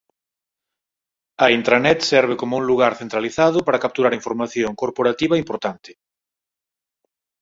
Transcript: A intranet serve como un lugar centralizado para capturar información corporativa importante.